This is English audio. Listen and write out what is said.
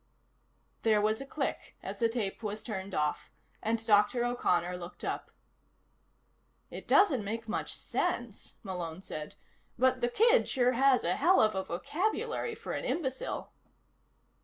There was a click as the tape was turned off, and Dr. O'Connor looked up. "It doesn't make much sense," Malone said. "But the kid sure has a hell of a vocabulary for an imbecile."